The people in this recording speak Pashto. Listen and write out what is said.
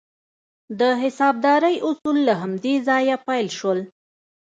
د حسابدارۍ اصول له همدې ځایه پیل شول.